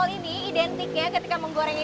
cimol ini identiknya ketika kita menggoreng cimol